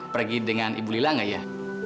pergi dengan ibu lila gak ya